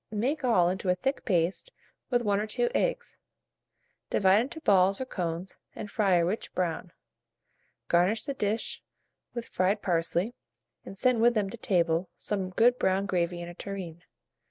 Make all into a thick paste with 1 or 2 eggs; divide into balls or cones, and fry a rich brown. Garnish the dish with fried parsley, and send with them to table some good brown gravy in a tureen.